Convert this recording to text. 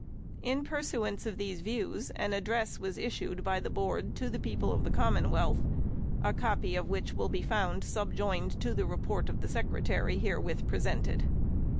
In pursuance of these views, an address was issued by the Board to the people of the Commonwealth, a copy of which will be found subjoined to the Report of the Secre tary, herewith presented.